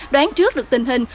đoán trước được tình hình